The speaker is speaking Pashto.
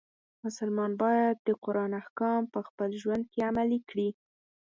مسلمان باید د قرآن احکام په خپل ژوند کې عملی کړي.